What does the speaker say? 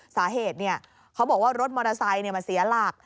สาเหตุเขาบอกว่ารถมอเตอร์ไซค์มาเสียหลัก